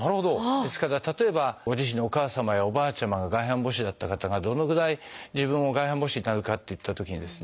ですから例えばご自身のお母様やおばあちゃまが外反母趾だった方がどのぐらい自分も外反母趾になるかといったときにですね